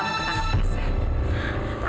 kamu ketangkap pas ya